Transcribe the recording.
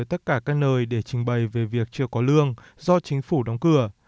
tất cả các nơi để trình bày về việc chưa có lương do chính phủ đóng cửa